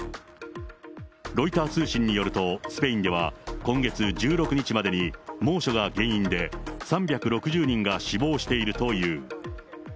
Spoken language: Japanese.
ロイター通信によると、スペインでは、今月１６日までに、猛暑が原因で３６０人が死亡しているという。